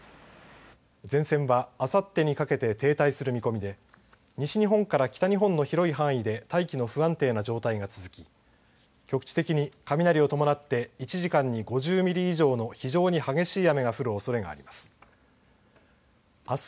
前線は、あさってにかけて停滞する見込みで西日本から北日本の広い範囲で大気の不安定な状態が続き局地的に雷を伴って１時間に５０ミリ以上の非常に激しい雨が降るおそれがあります。